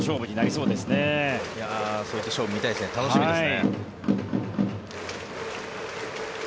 そういった勝負見たいですね、楽しみですね。